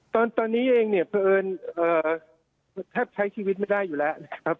ตอนนี้เองเนี่ยเผอิญแทบใช้ชีวิตไม่ได้อยู่แล้วนะครับ